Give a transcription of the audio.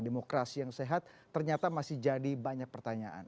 demokrasi yang sehat ternyata masih jadi banyak pertanyaan